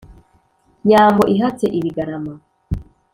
nyambo ihatse ibigarama